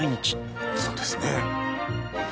そうですね。